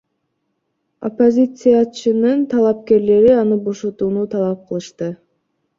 Оппозициячынын тарапкерлери аны бошотууну талап кылышты.